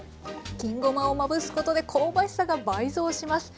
金ごまをまぶすことで香ばしさが倍増します。